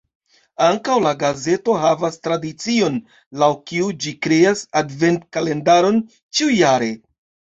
Ankaŭ la gazeto havas tradicion, laŭ kiu ĝi kreas advent-kalendaron ĉiujare.